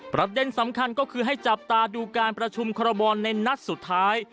ประเด็นสำคัญก็คือให้จับตาดูการประชุมคอรมอลในนัดสุดท้าย